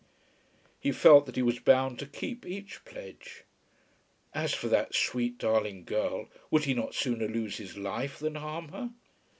He felt that he was bound to keep each pledge. As for that sweet, darling girl, would he not sooner lose his life than harm her?